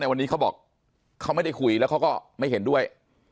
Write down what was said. วันนี้เขาบอกเขาไม่ได้คุยแล้วเขาก็ไม่เห็นด้วย